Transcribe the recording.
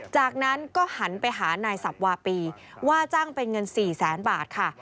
จากนั้นก็หันไปหานายสับวาปีว่าจ้างเป็นเงิน๔แสนบาทค่ะ